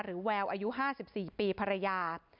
แววอายุ๕๔ปีภรรยา